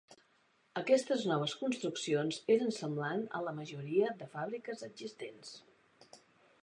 Aquestes noves construccions eren semblants a la majoria de fàbriques existents.